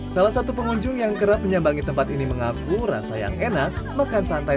salah satu pengunjung yang kerap menyambangi tempat ini mengaku rasa yang enak makan santai